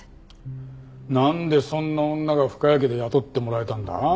なんでそんな女が深谷家で雇ってもらえたんだ？